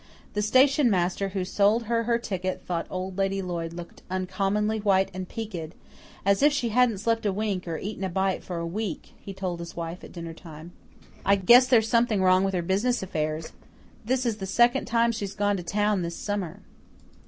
The station master who sold her her ticket thought Old Lady Lloyd looked uncommonly white and peaked "as if she hadn't slept a wink or eaten a bite for a week," he told his wife at dinner time. "Guess there's something wrong in her business affairs. This is the second time she's gone to town this summer."